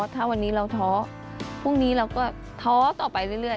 ถ้าวันนี้เราท้อพรุ่งนี้เราก็ท้อต่อไปเรื่อย